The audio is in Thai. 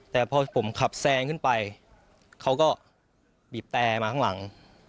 แต่พอผมขับแซงขึ้นไปเขาก็บีบแต่มาข้างหลัง